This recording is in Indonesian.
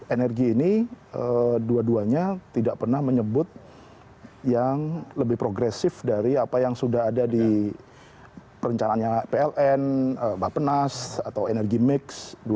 energi ini dua duanya tidak pernah menyebut yang lebih progresif dari apa yang sudah ada di perencanaannya pln bapenas atau energi mix dua ribu dua puluh